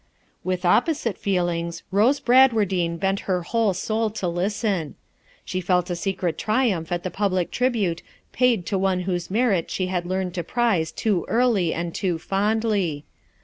With opposite feelings Rose Bradwardine bent her whole soul to listen. She felt a secret triumph at the public tribute paid to one whose merit she had learned to prize too early and too fondly.